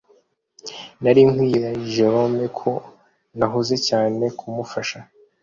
nari nkwiye kubwira jerome ko nahuze cyane kumufasha